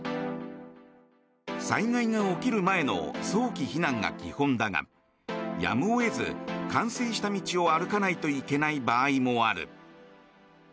災害が起きる前の早期避難が基本だがやむを得ず、冠水した道を歩かないといけない場合もある。